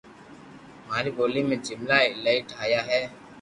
ماري ڀولي ۾ جملا ايلايو ٺايا ھي